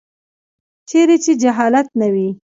چیرې چې جهالت نه وي.